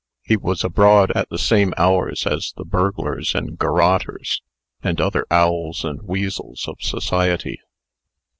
He was abroad at the, same hours as the burglars and garroters, and other owls and weasels of society.